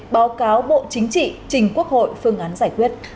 báo cáo bộ chính trị trình quốc hội phương án giải quyết